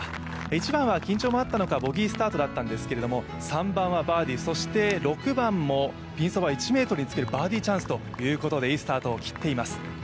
１番は緊張もあったのかボギースタートだったんですが３番はバーディー、そして６番もピンそば１ｍにつけるバーディーチャンスということでいいスタートを切っています。